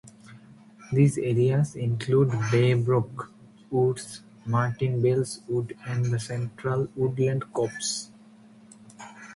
These areas include Braybrook Woods, Martin Bell's Wood and the Central Woodland Copse.